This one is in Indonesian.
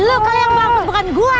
lu kalian bangkut bukan gua